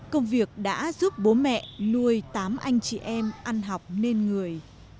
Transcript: công việc đã giúp bố mẹ nuôi tám anh chị em ăn học nên người